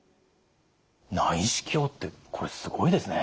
内視鏡ってこれすごいですね。